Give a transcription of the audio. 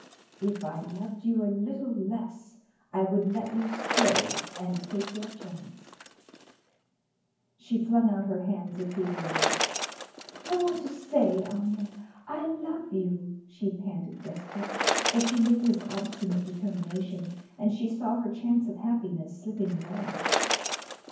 If I loved you a little less I would let you stay and take your chance." She flung out her hands appealingly. "I want to stay, Ahmed! I love you!" she panted, desperate for she knew his obstinate determination, and she saw her chance of happiness slipping away.